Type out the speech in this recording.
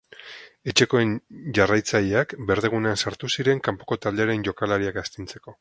Etxekoen jarraitzaileak berdegunean sartu ziren kanpoko taldearen jokalariak astintzeko.